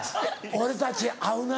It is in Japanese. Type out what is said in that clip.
俺たち合うな。